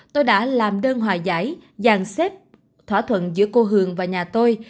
tôi đã làm đơn hòa giải xếp thỏa thuận giữa cô hường và nhà tôi